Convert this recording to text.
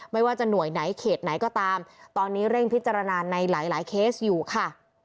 ไม่ว่าจะหน่วยไหนเขตไหนก็ตามตอนนี้เร่งพิจารณาในหลายเคสอยู่ค่ะ